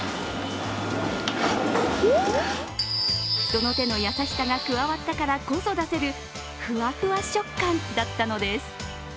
人の手の優しさが加わったからこそ出せるふわふわ食感だったのです。